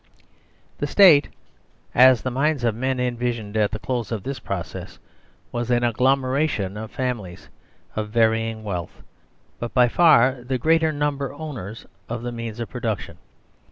The State, as the minds of men envisaged it at the close of this process, was an agglomeration of families of varying wealth, but by far the greater number owners of the means of production.